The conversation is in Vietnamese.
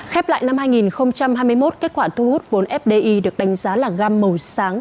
khép lại năm hai nghìn hai mươi một kết quả thu hút vốn fdi được đánh giá là gam màu sáng